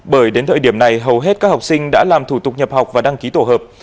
bởi đến thời điểm này hầu hết các học sinh đã làm thủ tục nhập học và đăng ký tổ hợp